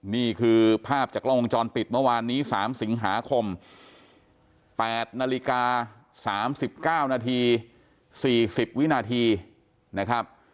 นี่คือภาพจากกล้องวงจรปิดเมื่อวานนี้๓สิงหาคม๘นาฬิกา๓๙นาที๔๐วินาทีนะครับ